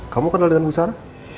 kamu kenal dengan bu sara